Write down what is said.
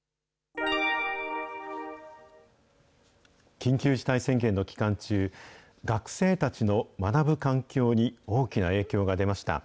緊急事態宣言の期間中、学生たちの学ぶ環境に大きな影響が出ました。